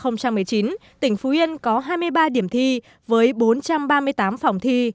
năm hai nghìn một mươi chín tỉnh phú yên có hai mươi ba điểm thi với bốn trăm ba mươi tám phòng thi